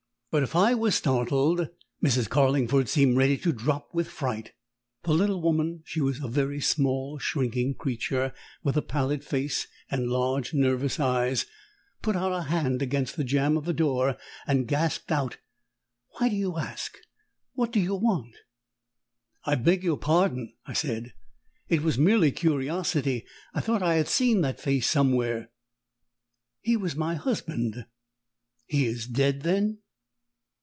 But if I was startled, Mrs. Carlingford seemed ready to drop with fright. The little woman she was a very small, shrinking creature, with a pallid face and large nervous eyes put out a hand against the jamb of the door, and gasped out "Why do you ask? What do you want?" "I beg your pardon," I said; "it was merely curiosity. I thought I had seen the face somewhere." "He was my husband." "He is dead, then?"